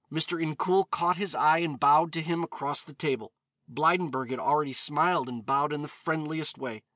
Mr. Incoul caught his eye and bowed to him across the table. Blydenburg had already smiled and bowed in the friendliest way.